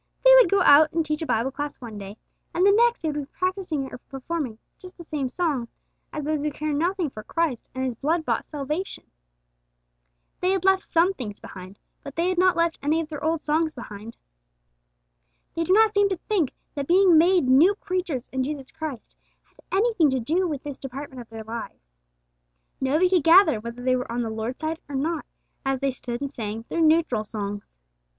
They would go and teach a Bible class one day, and the next they would be practising or performing just the same songs as those who care nothing for Christ and His blood bought salvation. They had left some things behind, but they had not left any of their old songs behind. They do not seem to think that being made new creatures in Christ Jesus had anything to do with this department of their lives. Nobody could gather whether they were on the Lord's side or not, as they stood and sang their neutral songs.